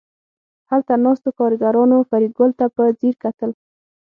هلته ناستو کارګرانو فریدګل ته په ځیر کتل